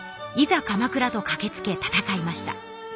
「いざ鎌倉！」とかけつけ戦いました。